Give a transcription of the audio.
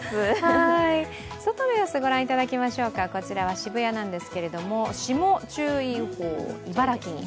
外の様子ご覧いただきましょうか、こちらは渋谷なんですが霜注意報、茨城に。